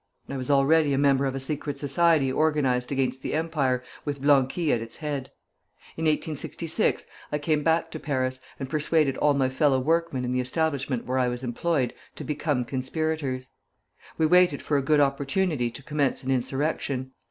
I was already a member of a secret society organized against the Empire, with Blanqui at its head. In 1866 I came back to Paris, and persuaded all my fellow workmen in the establishment where I was employed to become conspirators. We waited for a good opportunity to commence an insurrection.